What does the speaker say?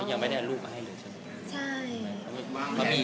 ยังไม่ได้รูปมาให้เลยใช่มั้ย